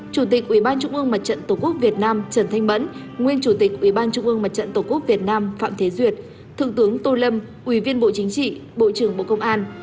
chủ tịch ubnd tổ quốc việt nam trần thanh bẫn nguyên chủ tịch ubnd tổ quốc việt nam phạm thế duyệt thượng tướng tô lâm ubnd bộ chính trị bộ trưởng bộ công an